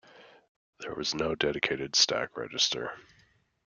There was no dedicated stack register.